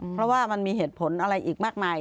เพราะว่ามันมีเหตุผลอะไรอีกมากมาย